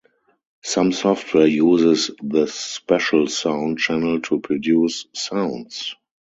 Some software uses this special sound channel to produce sounds.